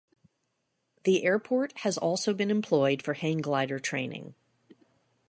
The airport has also been employed for hanglider training.